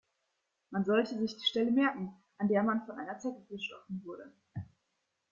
Man sollte sich die Stelle merken, an der man von einer Zecke gestochen wurde.